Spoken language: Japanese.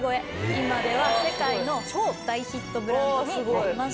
今では世界の超大ヒットブランドになりました。